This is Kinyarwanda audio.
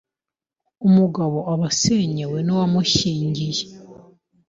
umugabo aba asenyewe n’uwamushyingiye